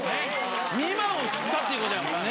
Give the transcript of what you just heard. ２万を切ったという事やもんね。